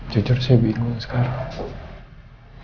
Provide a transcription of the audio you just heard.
jujur saya bingung sekarang